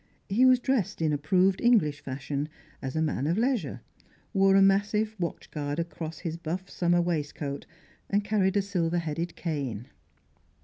He was dressed in approved English fashion, as a man of leisure, wore a massive watchguard across his buff summer waistcoat, and carried a silver headed cane.